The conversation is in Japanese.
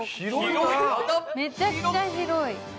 めちゃくちゃ広い。